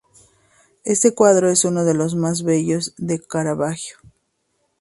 Este cuadro es uno de los más bellos de Caravaggio.